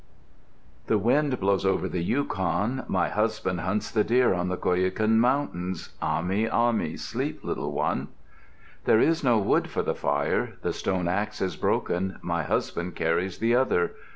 "The wind blows over the Yukon, My husband hunts the deer on the Koyukun Mountains. Ahmi, Ahmi, sleep, little one. "There is no wood for the fire. The stone axe is broken, my husband carries the other.